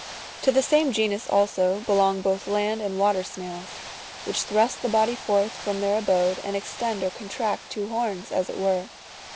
(32.) To the same genus^ also belong both land and water^ snails, which thrust the body forth from their abode, and extend or contract two horns, as it were.